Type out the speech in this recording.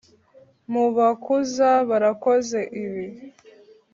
mubakuza barakoze ibibi